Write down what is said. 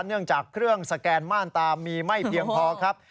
เนื่องจากเครื่องสแกนม่านตามีไม่เพียงพอครับ